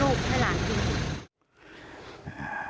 หางานทำหางเงินให้ลูกให้หลานดู